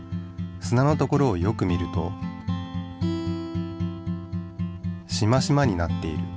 すなの所をよく見るとしましまになっている。